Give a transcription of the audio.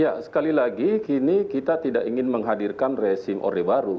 ya sekali lagi kini kita tidak ingin menghadirkan resim orde baru